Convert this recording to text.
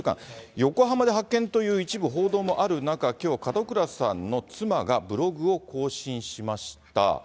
横浜で発見という一部報道もある中、きょう門倉さんの妻がブログを更新しました。